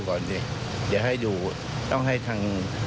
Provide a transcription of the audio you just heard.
ก็ต้องทำให้เป็นใช่ไหม